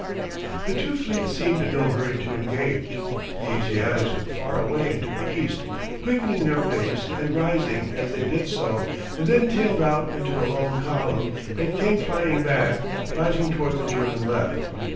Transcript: The two fleets seemed in no hurry to engage. The Asiatics went far away into the east, quickening their pace and rising as they did so, and then tailed out into a long column and came flying back, rising towards the German left.